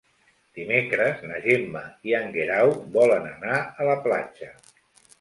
Dimecres na Gemma i en Guerau volen anar a la platja.